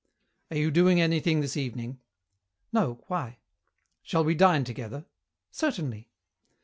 "Are you doing anything this evening?" "No. Why?" "Shall we dine together?" "Certainly."